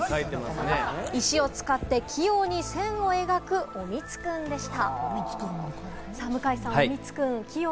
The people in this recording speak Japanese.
石を使って器用に線を描く、おみつくんでした。